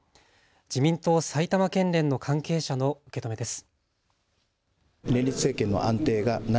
自民党埼玉県連の関係者の受け止めです。